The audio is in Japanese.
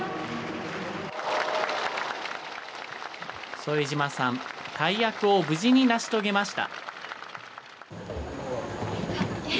副島さん、大役を無事に成し遂げました。